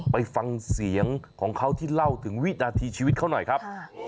ไปฟังเสียงของเขาที่เล่าถึงวินาทีชีวิตเขาหน่อยครับ